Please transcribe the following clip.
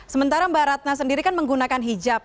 sementara mbak ratna sendiri kan menggunakan hijab